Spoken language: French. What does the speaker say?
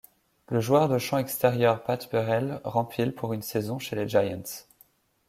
Le joueur de champ extérieur Pat Burrell rempile pour une saison chez les Giants.